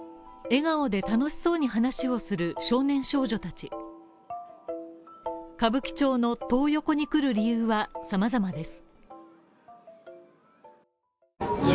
笑顔で楽しそうに話をする少年少女たち、歌舞伎町のトー横に来る理由は様々です。